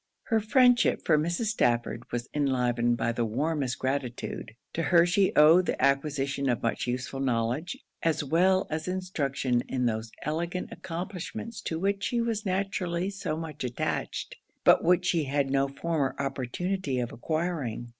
Her friendship for Mrs. Stafford was enlivened by the warmest gratitude. To her she owed the acquisition of much useful knowledge, as well as instruction in those elegant accomplishments to which she was naturally so much attached, but which she had no former opportunity of acquiring.